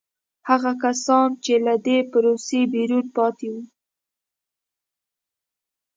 هغه کسان چې له دې پروسې بیرون پاتې وو.